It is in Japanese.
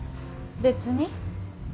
別に。